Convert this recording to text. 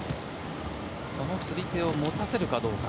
その釣り手を持たせるかどうか。